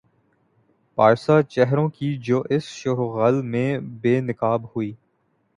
پارسا چہروں کی جو اس شوروغل میں بے نقاب ہوئی۔